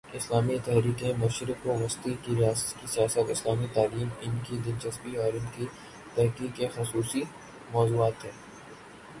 اسلامی تحریکیں، مشرق وسطی کی سیاست، اسلامی تعلیم، ان کی دلچسپی اور تحقیق کے خصوصی موضوعات تھے۔